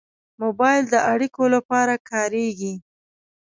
موبایل د اړیکو لپاره کارېږي.